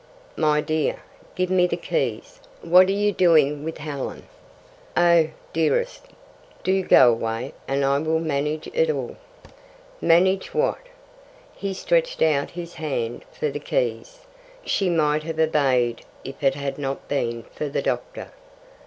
My dear, give me the keys. What are you doing with Helen?" "Oh, dearest, do go away, and I will manage it all." "Manage what?" He stretched out his hand for the keys. She might have obeyed if it had not been for the doctor.